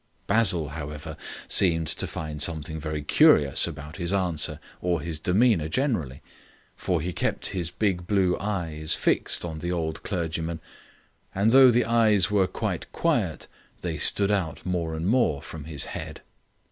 Basil, however, seemed to find something very curious about his answer or his demeanour generally, for he kept his big blue eyes fixed on the old clergyman, and though the eyes were quite quiet they stood out more and more from his head.